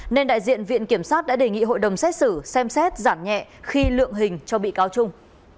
nên đại diện viện kiểm sát đã đề nghị hội đồng xét xử xem xét giảm nhẹ khi lượng hình cho bị cáo trung